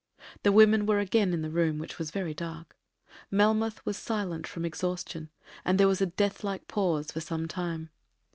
The women were again in the room, which was very dark. Melmoth was silent from exhaustion, and there was a death like pause for some time.